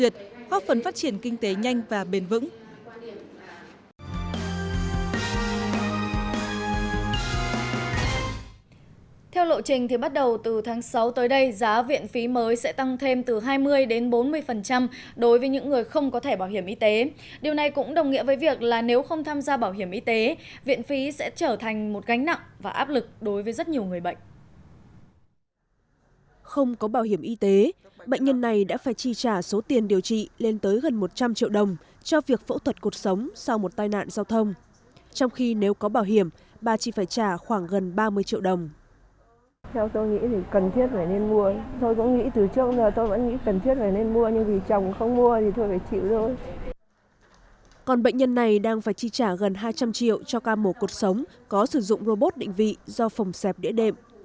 còn bệnh nhân này đang phải chi trả gần hai trăm linh triệu cho ca mổ cuộc sống có sử dụng robot định vị do phòng xẹp đĩa đệm